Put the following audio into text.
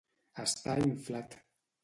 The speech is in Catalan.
Estar inflat.